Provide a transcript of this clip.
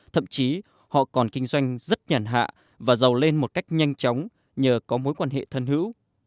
thậm chí họ còn kinh doanh rất nhàn hạ và giàu lên một cách nhanh chóng nhờ có mối quan hệ thân hữu